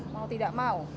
mau tidak mau